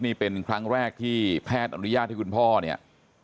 นี่เป็นครั้งแรกที่แพทย์อนุญาตให้คุณพ่อเนี่ย